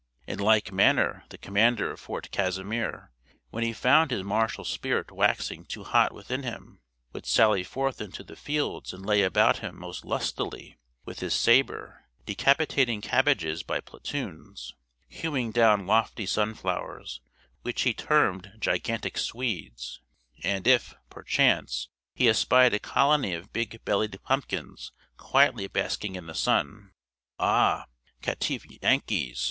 In like manner the commander of Fort Casimir, when he found his martial spirit waxing too hot within him, would sally forth into the fields and lay about him most lustily with his sabre; decapitating cabbages by platoons; hewing down lofty sunflowers, which he termed gigantic Swedes; and if, perchance, he espied a colony of big bellied pumpkins quietly basking in the sun, "Ah! caitiff Yankees!"